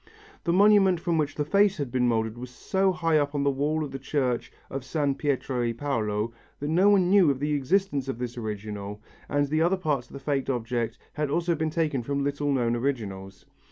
The monument from which the face had been moulded was so high up on the wall of the church of San Pietro e Paolo that no one knew of the existence of this original and the other parts of the faked object had also been taken from little known originals.